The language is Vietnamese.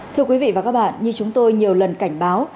thưa quý vị và các bạn như chúng tôi nhiều lần cảnh báo